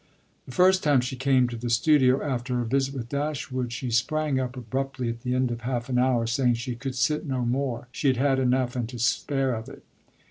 The first time she came to the studio after her visit with Dashwood she sprang up abruptly at the end of half an hour, saying she could sit no more she had had enough and to spare of it.